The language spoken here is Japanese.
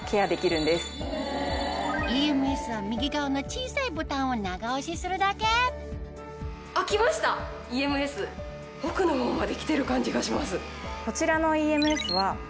ＥＭＳは右側の小さいボタンを長押しするだけこちらのＥＭＳは。